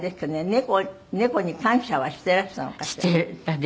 猫に感謝はしてらしたのかしら？